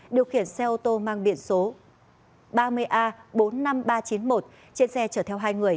điều khiển xe ô tô mang biện số ba mươi a bốn mươi năm nghìn ba trăm chín mươi một trên xe chở theo hai người